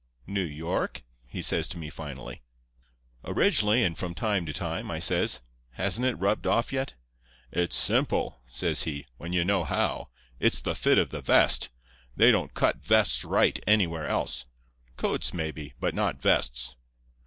"'New York?' he says to me finally. "'Originally, and from time to time,' I says. 'Hasn't it rubbed off yet?' "'It's simple,' says he, 'when you know how. It's the fit of the vest. They don't cut vests right anywhere else. Coats, maybe, but not vests.